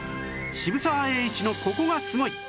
渋沢栄一のここがすごい！